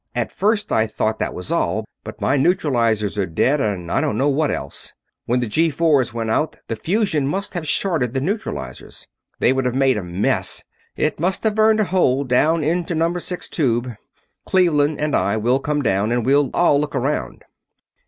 At first, I thought that was all, but my neutralizers are dead and I don't know what else. When the G 4's went out the fusion must have shorted the neutralizers. They would make a mess; it must have burned a hole down into number six tube. Cleveland and I will come down, and we'll all look around."